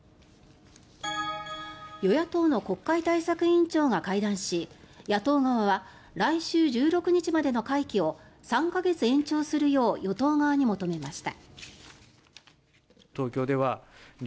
与野党の国会対策委員長が会談し野党側は来週１６日までの会期を３か月延長するよう与党側に求めました。